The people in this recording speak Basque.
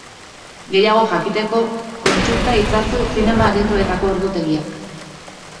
Gehiago jakiteko, kontsulta itzazu zinema-aretoetako ordutegiak.